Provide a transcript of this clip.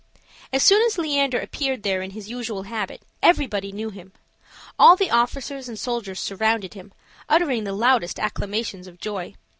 As soon as Leander appeared there in his usual habit, everybody knew him; all the officers and soldiers surrounded him, uttering the loudest acclamations of joy.